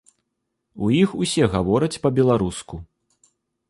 У іх усе гавораць па-беларуску.